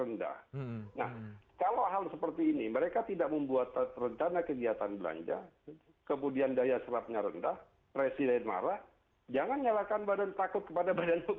nah kalau hal seperti ini mereka tidak membuat rencana kegiatan belanja kemudian daya serapnya rendah presiden marah jangan nyalakan badan takut kepada badan hukum